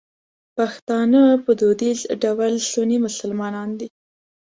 پښتانه په دودیز ډول سني مسلمانان دي.